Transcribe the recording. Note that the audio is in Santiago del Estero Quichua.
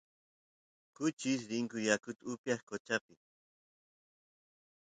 kuchis rinku yakut upyaq qochapi